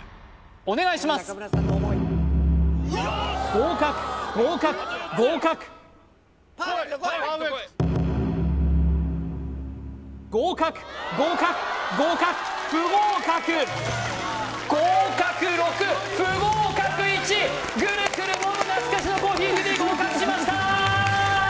合格合格合格合格合格合格不合格合格６不合格１グルクル飲むなつかしの珈琲ゼリー合格しました！